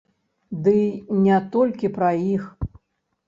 Дый не толькі пра іх.